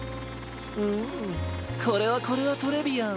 うんこれはこれはトレビアン！